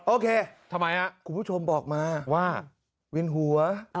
โอเคทำไมคุณผู้ชมบอกมาว่าวินหัว